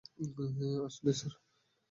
আসলেই, স্যার?